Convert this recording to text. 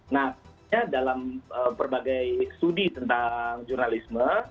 nah dalam berbagai studi tentang jurnalisme